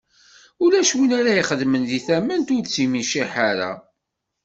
Ulac win ara ixedmen deg tament ur tt-yemciḥ ara.